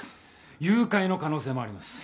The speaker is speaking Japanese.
誘拐の可能性もあります。